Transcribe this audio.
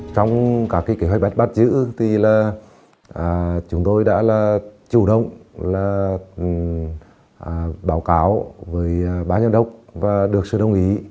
trong cả cái kế hoạch bắt chữ thì là chúng tôi đã là chủ động là báo cáo với bác giám đốc và được sự đồng ý